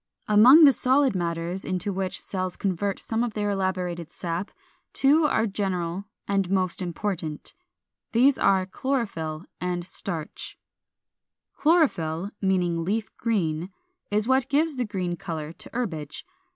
416. Among the solid matters into which cells convert some of their elaborated sap two are general and most important. These are Chlorophyll and Starch. 417. =Chlorophyll= (meaning leaf green) is what gives the green color to herbage.